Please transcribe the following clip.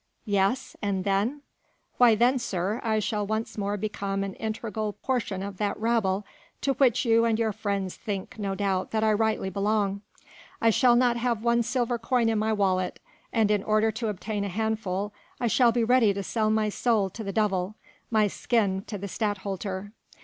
"Yes? and then?" "Why then, sir, I shall once more become an integral portion of that rabble to which you and your friends think no doubt that I rightly belong. I shall not have one silver coin in my wallet and in order to obtain a handful I shall be ready to sell my soul to the devil, my skin to the Stadtholder...."